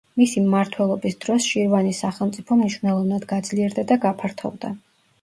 მისი მმართველობის დროს შირვანის სახელმწიფო მნიშვნელოვნად გაძლიერდა და გაფართოვდა.